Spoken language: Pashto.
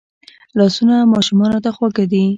لاسونه ماشومانو ته خواږه دي